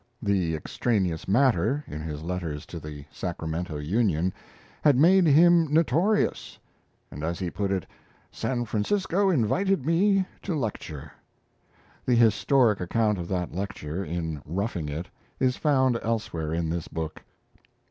The "extraneous matter" in his letters to the Sacramento Union had made him "notorious"; and, as he put it, "San Francisco invited me to lecture." The historic account of that lecture, in 'Roughing It', is found elsewhere in this book.